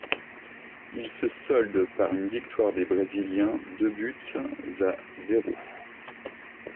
Il se solde par une victoire des Brésiliens, deux buts à zéro.